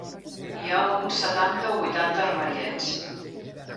Hi ha uns setanta o vuitanta armariets.